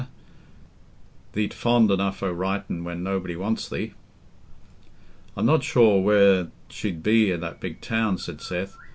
Thee't fond enough o' writin' when nobody wants thee." "I'm not sure where she'd be i' that big town," said Seth.